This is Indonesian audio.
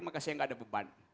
maka saya nggak ada beban